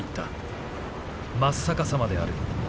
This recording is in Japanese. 真っ逆さまである。